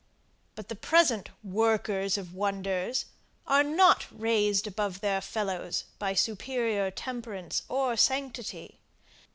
But the present workers of wonders are not raised above their fellows by superior temperance or sanctity.